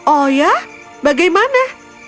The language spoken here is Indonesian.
oh ya bagaimana